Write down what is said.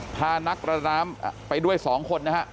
พานักประดาน้ำไปด้วยสองคนนะครับ